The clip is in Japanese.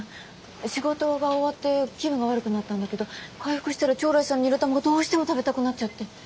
仕事が終わって気分が悪くなったんだけど回復したら朝來さんのニラ玉がどうしても食べたくなっちゃって。